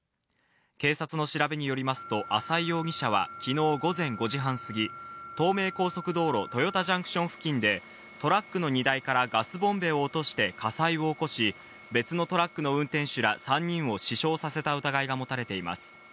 警察の調べによりますと浅井容疑者は昨日午前５時半過ぎ、東名高速道路・豊田ジャンクション付近でトラックの荷台からガスボンベを落として火災を起こし、別のトラックの運転手ら３人を死傷させた疑いがもたれています。